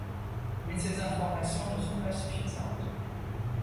Mais ces informations ne sont pas suffisantes.